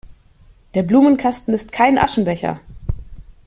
Der Blumenkasten ist kein Aschenbecher!